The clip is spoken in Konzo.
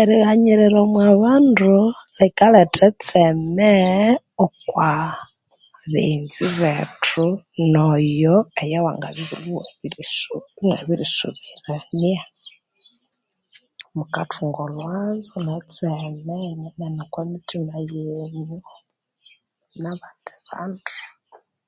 Erighanyirira omwa bandu likaletha etseme okwa baghenzi bethu noyo oyuwangabya iwabiriso imwabirisoberania mukathunga olhwanzo netseme okwamithima yenyu nabandi bandu